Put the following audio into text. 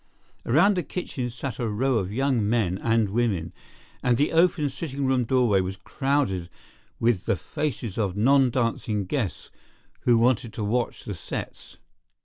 Around the kitchen sat a row of young men and women, and the open sitting room doorway was crowded with the faces of non dancing guests who wanted to watch the sets.